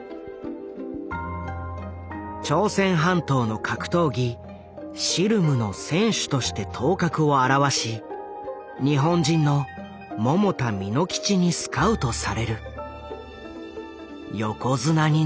朝鮮半島の格闘技シルムの選手として頭角を現し日本人の百田巳之吉にスカウトされる。